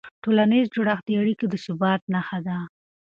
ټولنیز جوړښت د اړیکو د ثبات نښه ده.